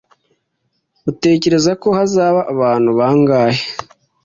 Utekereza ko hazaba abantu bangahe?